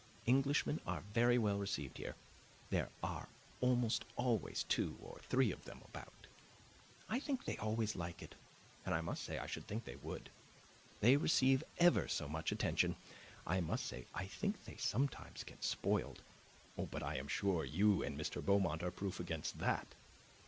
Englishmen are very well received here; there are almost always two or three of them about. I think they always like it, and I must say I should think they would. They receive ever so much attention. I must say I think they sometimes get spoiled; but I am sure you and Mr. Beaumont are proof against that.